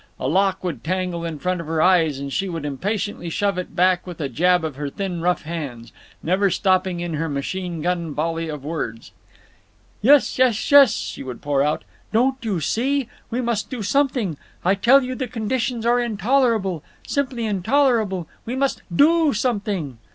A lock would tangle in front of her eyes, and she would impatiently shove it back with a jab of her thin rough hands, never stopping in her machine gun volley of words. "Yes, yes, yes, yes," she would pour out. "Don't you see? We must do something. I tell you the conditions are intolerable, simply intolerable. We must do something."